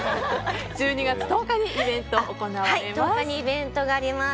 １２月１０日にイベント行われます。